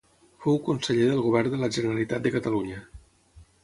Fou conseller del govern de la Generalitat de Catalunya.